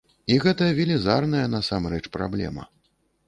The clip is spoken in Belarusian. І гэта велізарная, насамрэч, праблема.